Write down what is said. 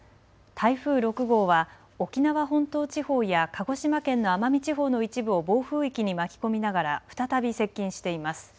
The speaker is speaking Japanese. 台風６号は沖縄本島地方や鹿児島県の奄美地方の一部を暴風域に巻き込みながら再び接近しています。